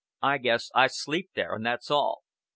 I guess I sleep there and that's all.